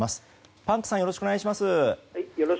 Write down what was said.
パンクさんよろしくお願いします。